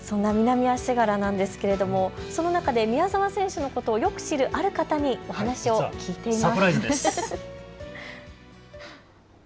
そんな南足柄なんですがその中で宮澤選手のことをよく知るある方にお話を聞いています。